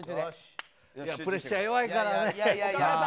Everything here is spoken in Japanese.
プレッシャー弱いからね。